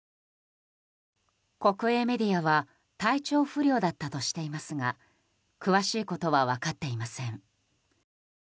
国営メディアは体調不良だったとしていますが詳しいことは分かっていません。